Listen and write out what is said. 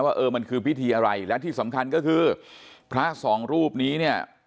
ว่าเออมันคือพิธีอะไรและที่สำคัญก็คือพระสองรูปนี้เนี่ย